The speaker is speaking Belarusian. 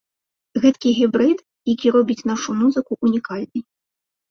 Гэткі гібрыд, які робіць нашу музыку унікальнай.